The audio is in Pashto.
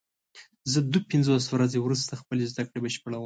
زه دوه پنځوس ورځې وروسته خپلې زده کړې بشپړوم.